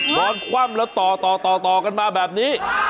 นอนคว่ำแล้วต่อกันมาแบบนี้